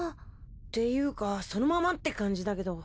っていうかそのままって感じだけど。